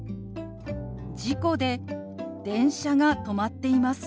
「事故で電車が止まっています」。